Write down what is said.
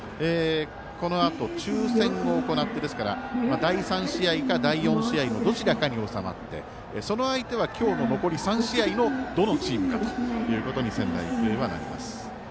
このあと、抽せんを行って第３試合か第４試合のどちらかに収まって相手チームは残り３試合のどのチームかということに仙台育英はなります。